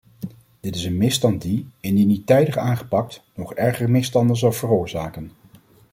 Dit is een misstand die, indien niet tijdig aangepakt, nog ergere misstanden zal veroorzaken.